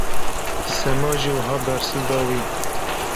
Sema jî wiha bersiv da wî.